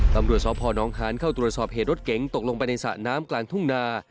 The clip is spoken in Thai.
ตำรวจสพนค้านเข้าตรวจสอบเหตุรถเก๋งตกลงไปในสระน้ำกลางทุ่งนา